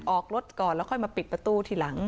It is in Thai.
ออกรถก่อนแล้วค่อยมาปิดประตูทีหลัง